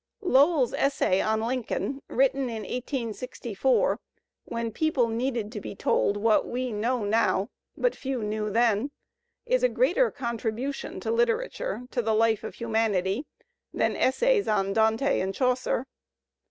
Lowell's essay on Lincoln, written in 1864, when people needed to be told what we know now but few knew then, i is a greater contribution to literature, to the life of humanity, than essays on Dante and Chaucer.